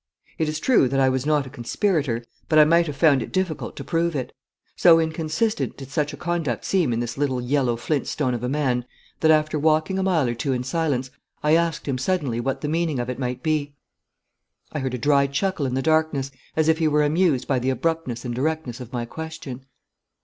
It is true that I was not a conspirator, but I might have found it difficult to prove it. So inconsistent did such conduct seem in this little yellow flint stone of a man that, after walking a mile or two in silence, I asked him suddenly what the meaning of it might be. I heard a dry chuckle in the darkness, as if he were amused by the abruptness and directness of my question.